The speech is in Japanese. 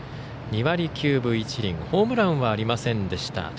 ２割９分１厘ホームランはありませんでした。